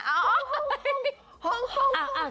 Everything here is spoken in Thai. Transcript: โฮ้งโฮ้ง